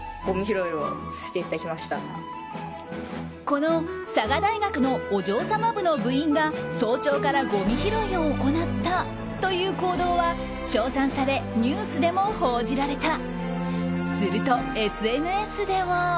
この佐賀大学のお嬢様部の部員が早朝からごみ拾いを行ったという行動は称賛されニュースでも報じられた。